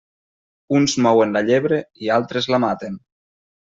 Uns mouen la llebre i altres la maten.